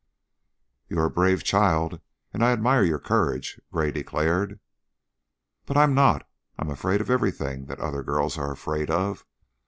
"You are a brave child, and I admire your courage," Gray declared. "But I'm not. I'm afraid of everything that other girls are afraid of."